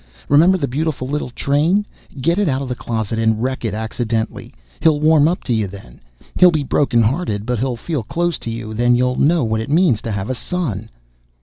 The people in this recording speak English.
Remember the beautiful little train? Get it out of the closet and wreck it accidentally. He'll warm up to you then. He'll be broken hearted, but he'll feel close to you, then you'll know what it means to have a son!"